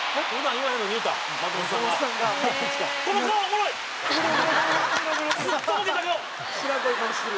「知らん顔かましてる」